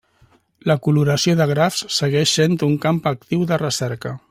La coloració de grafs segueix sent un camp actiu de recerca.